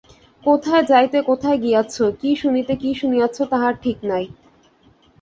কোথায় যাইতে কোথায় গিয়াছ, কী শুনিতে কী শুনিয়াছ তাহার ঠিক নাই।